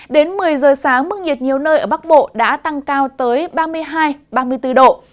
đến một mươi giờ sáng mức nhiệt nhiều nơi ở bắc bộ đã tăng cao tới ba mươi hai ba mươi bốn độ